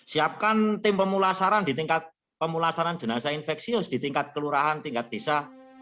siapkan tim pemulasaran di tingkat pemulasaran jenazah infeksius di tingkat kelurahan tingkat desa